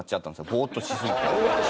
ボーッとしすぎて。